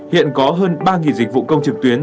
hiện có hơn ba dịch vụ công trực tuyến